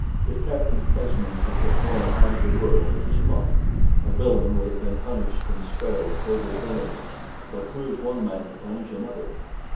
If Captain Esmond had put Mohun out of the world, as he might, a villain would have been punished and spared further villanies but who is one man to punish another?